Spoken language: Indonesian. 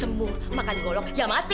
semur makan golong ya mati